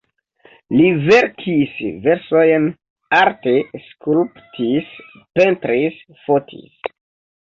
Li verkis versojn, arte skulptis, pentris, fotis.